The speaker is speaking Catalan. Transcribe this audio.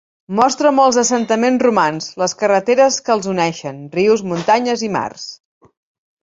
Mostra molts assentaments romans, les carreteres que els uneixen, rius, muntanyes i mars.